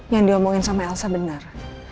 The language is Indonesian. yang diomongin sama elsa benar